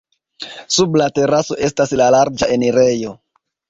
Sub la teraso estas la larĝa enirejo.